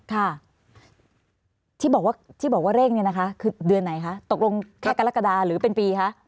ที่บอกว่าเร่งคือเดือนไหนตกลงแค่กัลกดาหรือเป็นปีคะ